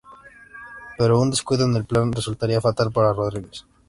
Pero un descuido en el plan resultaría fatal para Rodríguez.